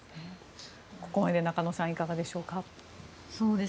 ここまで中野さんいかがでしょうか。